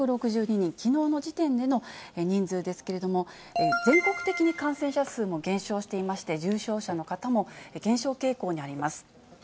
きのうの時点での人数ですけれども、全国的に感染者数も減少していまして、重症者の方も減少傾向にあります。